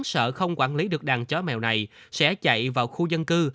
sợ không quản lý được đàn chó mèo này sẽ chạy vào khu dân cư